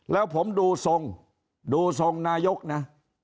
แล้วผมดูทรงดูทรงนายกนะ